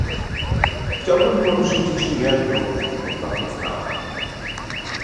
Chciałbym poruszyć jeszcze jedną, ostatnią sprawę?